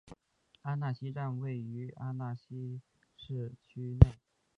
阿讷西站位于阿讷西市区内。